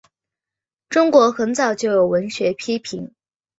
中国很早就有文学批评。